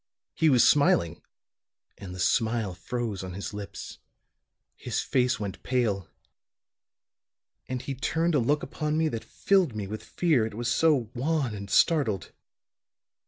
He was smiling; and the smile froze on his lips, his face went pale, and he turned a look upon me that filled me with fear, it was so wan and startled.